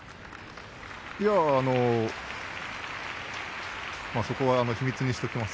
いやあそこは秘密にしておきます。